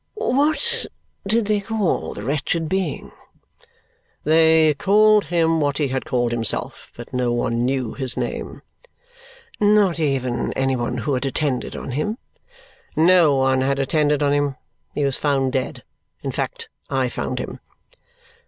"What did they call the wretched being?" "They called him what he had called himself, but no one knew his name." "Not even any one who had attended on him?" "No one had attended on him. He was found dead. In fact, I found him."